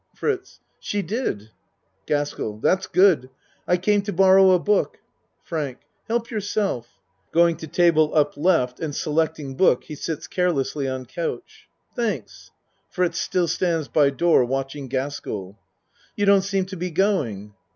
FRITZ She did. GASKELL That's good. I came to borrow a book. FRANK Help yourself. GASKELL (Going to table up L. and se lecting book he sits carelessly on couch.) Thanks. (Fritz still stands by door watching Gaskell.) You don't seem to be going?